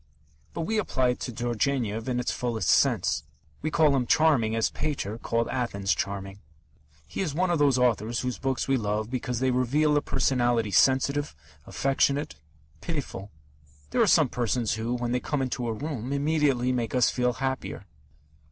But we apply it to Turgenev in its fullest sense. We call him charming as Pater called Athens charming. He is one of those authors whose books we love because they reveal a personality sensitive, affectionate, pitiful. There are some persons who, when they come into a room, immediately make us feel happier.